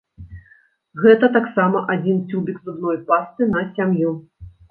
Гэта таксама адзін цюбік зубной пасты на сям'ю.